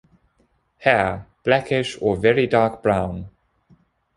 Hair - Blackish or very dark brown.